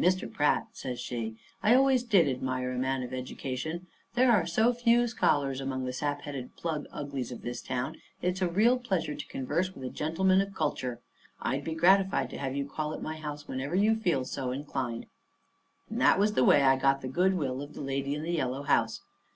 "Mr. Pratt," says she, "I always did admire a man of education. There are so few scholars among the sap headed plug uglies of this town that it is a real pleasure to converse with a gentleman of culture. I'd be gratified to have you call at my house whenever you feel so inclined." And that was the way I got the goodwill of the lady in the yellow house.